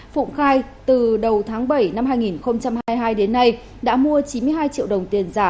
phụng khai từ đầu tháng bảy năm hai nghìn hai mươi hai đến nay đã mua chín mươi hai triệu đồng tiền giả